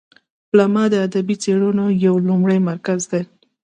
پملا د ادبي څیړنو یو لومړی مرکز دی.